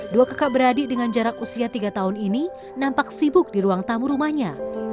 dua kakak beradik dengan jarak usia tiga tahun ini nampak sibuk di ruang tamu rumahnya